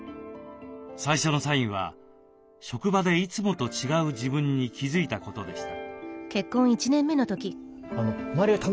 最初のサインは職場でいつもと違う自分に気付いたことでした。